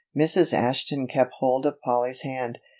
Mrs. Ashton kept hold of Polly's hand.